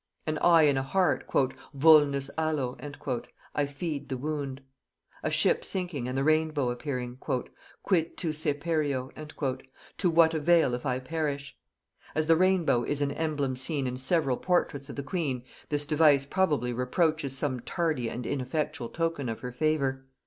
An eye in a heart, "Vulnus alo" (I feed the wound). A ship sinking and the rainbow appearing, "Quid tu si pereo" (To what avail if I perish)? As the rainbow is an emblem seen in several portraits of the queen, this device probably reproaches some tardy and ineffectual token of her favor.